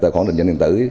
tài khoản định dân nhân tử